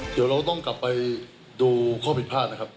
เดี๋ยวเราต้องกลับไปดูข้อผิดพลาดนะครับ